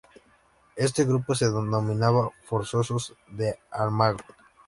Este grupo se denominaba Forzosos de almagro.